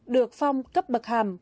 được phong cấp bậc hàm